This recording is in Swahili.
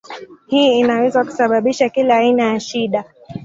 Hii inaweza kusababisha kila aina ya shida.